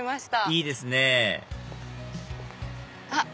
いいですねあっ